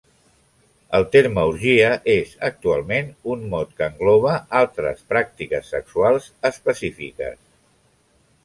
El terme orgia és actualment un mot que engloba altres pràctiques sexuals específiques.